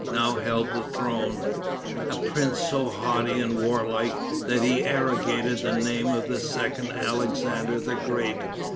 now held the throne, a prince so haughty and warlike, that he arrogated the name of the second Alexander the Great.